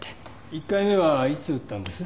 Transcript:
１回目はいつ打ったんです？